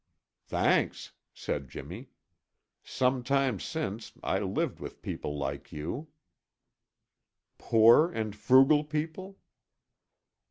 "Thanks!" said Jimmy. "Some time since, I lived with people like you." "Poor and frugal people?"